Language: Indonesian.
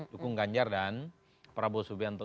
dukung ganjar dan prabowo subianto